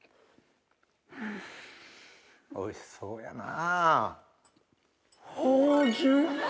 おいしそうやな。